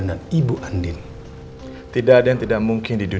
ya banyak kok